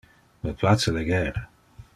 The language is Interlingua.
Me place leger.